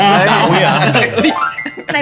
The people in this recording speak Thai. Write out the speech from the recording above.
ไหนบอก๒๖เนี่ยคุณค่ะ